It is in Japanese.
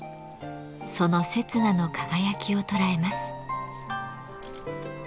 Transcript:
その刹那の輝きを捉えます。